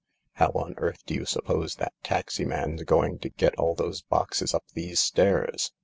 How on earth do you suppose that taxi man's going to get all those boxes up these stairs